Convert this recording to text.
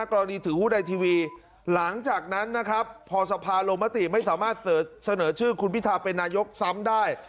ถือหุ้นในทีวีหลังจากนั้นนะครับพอสภาลงมติไม่สามารถเสนอชื่อคุณพิทาเป็นนายกซ้ำได้